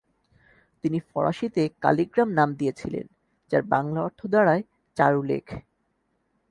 তিনি ফরাসিতে কালিগ্রাম নাম দিয়েছিলেন, যার বাংলা অর্থ দাঁড়ায় "চারুলেখ"।